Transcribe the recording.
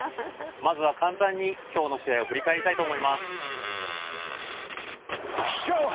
まずは、簡単に今日の試合を振り返りたいと思います。